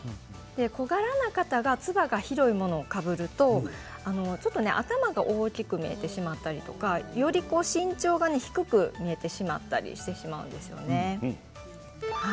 小柄な方がつばが広いものをかぶるとちょっと頭が大きく見えてしまったりとか、より身長が低く見えてしまったりしてしまうんですよね。